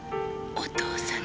お父さん！